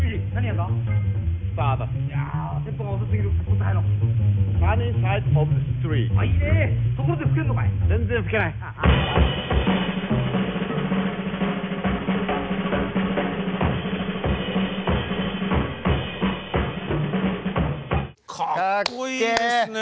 かっこいいですね。